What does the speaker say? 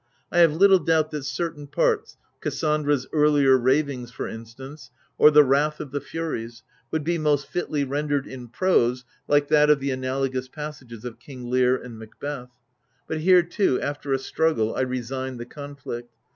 I have little doubt that certain parts — Cassandra's earlier ravings for instance, or the wrath of the Furies — would be most fitly rendered in prose like that of the analogous passages of King Lear and Macbeth : but here, too, after a struggle, I resigned the conflict.